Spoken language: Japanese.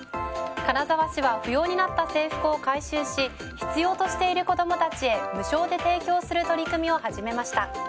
金沢市は不要になった制服を回収し必要している子供たちへ無償で提供する取り組みを始めました。